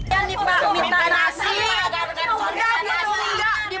ya nih pak minta nasi